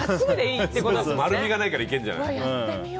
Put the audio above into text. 丸みがないからいけるんじゃない？